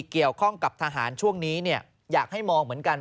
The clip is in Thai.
เกี่ยวข้องกับทหารช่วงนี้อยากให้มองเหมือนกัน